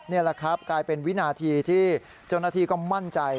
นี่แหละครับกลายเป็นวินาทีที่เจ้าหน้าที่ก็มั่นใจ